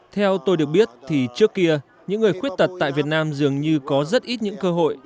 theo tôi được biết thì trước kia những người khuyết tật tại việt nam dường như có rất ít những cơ hội